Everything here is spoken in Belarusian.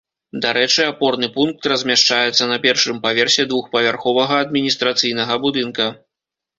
Дарэчы, апорны пункт размяшчаецца на першым паверсе двухпавярховага адміністрацыйнага будынка.